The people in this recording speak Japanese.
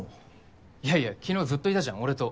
いやいや昨日ずっといたじゃん俺と。